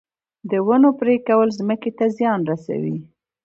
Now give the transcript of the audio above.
د ونو پرې کول ځمکې ته زیان رسوي